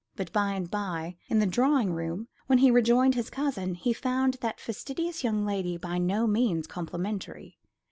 But, by and by, in the drawing room, when he rejoined his cousin, he found that fastidious young lady by no means complimentary.